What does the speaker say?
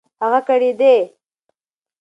هغه کړېدی .